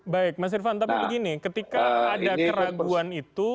baik mas irvan tapi begini ketika ada keraguan itu